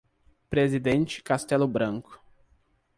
Presidente Castello Branco